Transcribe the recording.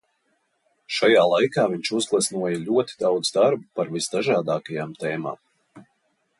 Šajā laikā viņš uzgleznoja ļoti daudz darbu par visdažādākajām tēmām.